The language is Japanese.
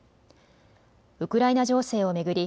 ウクライナ情勢を巡り